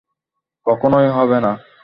কখনোই হবে না।